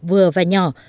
vừa và nhỏ